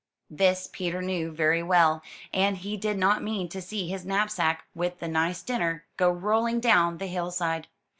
This Peter knew very well, and he did not mean to see his knapsack, with the nice dinner, go rolling down the hillside.